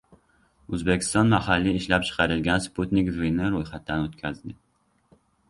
O‘zbekiston mahalliy ishlab chiqarilgan "Sputnik V" ni ro‘yxatdan o‘tkazdi